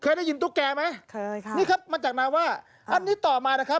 โอ้โฮเยอะมาก